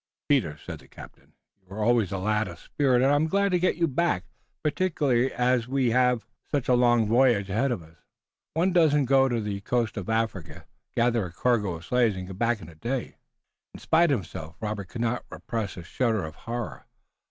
"Peter," said the captain, "you were always a lad of spirit, and I'm glad to get you back, particularly as we have such a long voyage ahead of us. One doesn't go to the coast of Africa, gather a cargo of slaves and get back in a day." In spite of himself Robert could not repress a shudder of horror.